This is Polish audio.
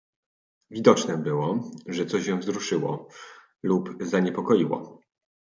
"Widocznem było, że coś ją wzruszyło, lub zaniepokoiło."